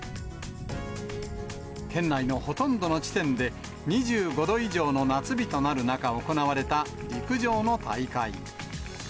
県内のほとんどの地点で、２５度以上の夏日となる中、行われた陸上の大会。